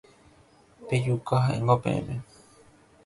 Pejuka ha'éngo peẽme.